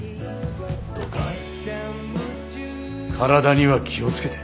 どうか体には気を付けて。